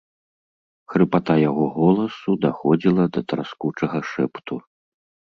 Хрыпата яго голасу даходзіла да траскучага шэпту.